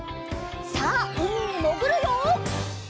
さあうみにもぐるよ！